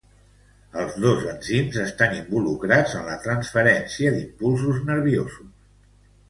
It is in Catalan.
Els dos enzims estan involucrats en la transferència d'impulsos nerviosos.